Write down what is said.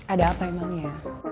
ada apa emang ya